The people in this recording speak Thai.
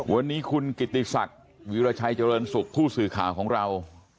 วันนี้คุณกิติศักดิ์วิราชัยเจริญสุขผู้สื่อข่าวของเรา